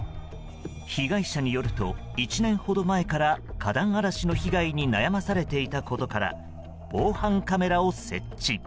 被害者によると１年ほど前から花壇荒らしの被害に悩まされていたことから防犯カメラを設置。